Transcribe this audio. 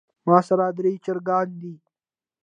ماسره درې چرګان دي